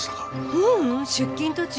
ううん出勤途中。